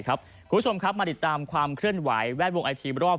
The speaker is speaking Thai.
คุณผู้ชมครับมาติดตามความเคลื่อนไหวแวดวงไอทีมรอบ